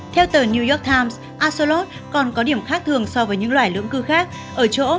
theo tờ new york times axolotl còn có điểm khác thường so với những loài lưỡng cư khác